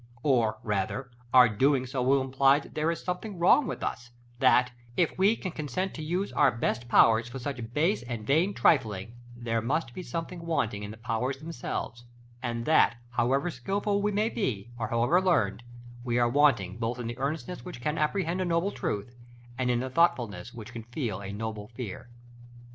Or rather our doing so will imply that there is something wrong with us; that, if we can consent to use our best powers for such base and vain trifling, there must be something wanting in the powers themselves; and that, however skilful we may be, or however learned, we are wanting both in the earnestness which can apprehend a noble truth, and in the thoughtfulness which can feel a noble fear.